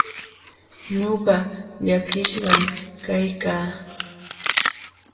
Ñuqa llakishqan kaykaa.